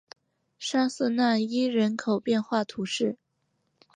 沙瑟讷伊人口变化图示